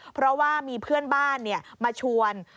เพราะว่ามีเพื่อนบ้านมาชวน